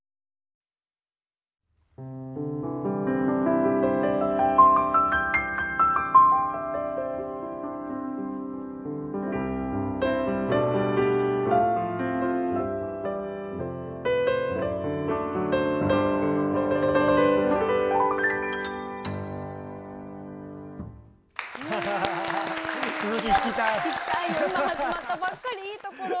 今始まったばっかりいいところ。